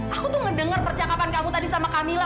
aku tuh ngedenger percakapan kamu tadi sama kamila